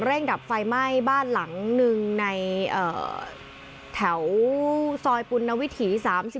ดับไฟไหม้บ้านหลังหนึ่งในแถวซอยปุณวิถี๓๔